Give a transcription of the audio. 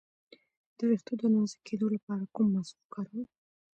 د ویښتو د نازکیدو لپاره کوم ماسک وکاروم؟